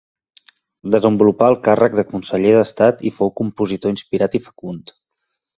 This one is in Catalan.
Desenvolupà el càrrec de conseller d'Estat i fou compositor inspirat i fecund.